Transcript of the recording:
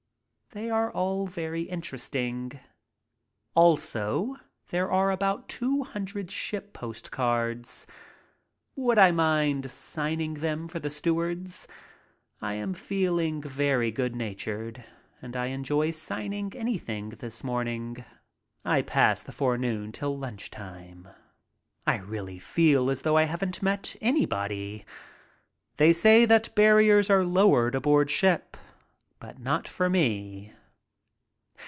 They are all very interesting. Also there are about two htmdred ship postcards. Would I mind signing them for the stewards? I am feeling very good natured and I enjoy signing anything this morning. I pass the forenoon till lunch time. I really feel as though I haven't met anybody. They say that barriers are lowered aboard ship, but not for me.